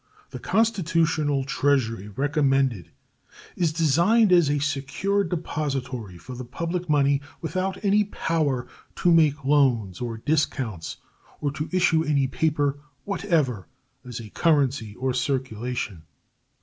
The constitutional treasury recommended is designed as a secure depository for the public money, without any power to make loans or discounts or to issue any paper whatever as a currency or circulation.